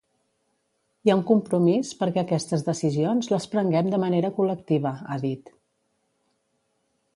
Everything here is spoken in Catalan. Hi ha un compromís perquè aquestes decisions les prenguem de manera col·lectiva, ha dit.